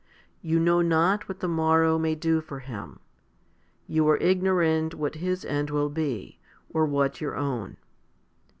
You know not what the morrow may do for him; you are ignorant what his end will be, and what your own.